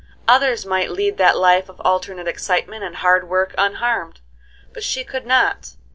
Others might lead that life of alternate excitement and hard work unharmed, but she could not.